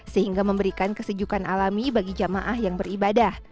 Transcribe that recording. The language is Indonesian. sehingga memberikan kesejukan alami bagi jamaah yang beribadah